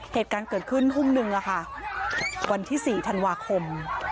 เหตุการณ์เกิดขึ้นทุ่มหนึ่งวันที่๔ธันวาคม